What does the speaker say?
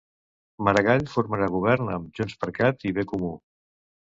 Maragall formarà govern amb JxCat i Bcomú.